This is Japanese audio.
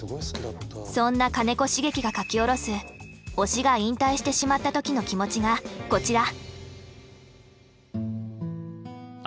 そんな金子茂樹が書き下ろす推しが引退してしまった時の気持ちがこちら。